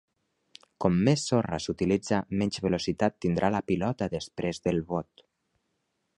Com més sorra s'utilitza, menys velocitat tindrà la pilota després del bot.